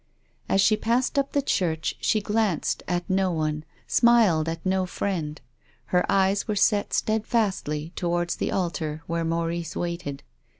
As she passed up the church she glanced at no one, smiled at no friend. Ilcr eyes were set steadfastly towards the altar where Maurice waited.